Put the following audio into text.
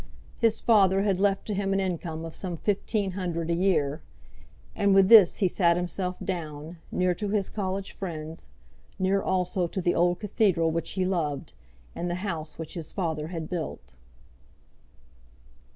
His father had left to him an income of some fifteen hundred a year, and with this he sat himself down, near to his college friends, near also to the old cathedral which he loved, in the house which his father had built.